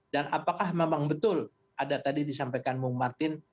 apakah memang betul ada tadi disampaikan bung martin